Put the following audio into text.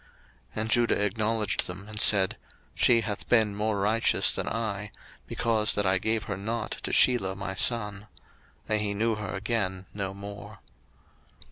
01:038:026 And Judah acknowledged them, and said, She hath been more righteous than I; because that I gave her not to Shelah my son. And he knew her again no more.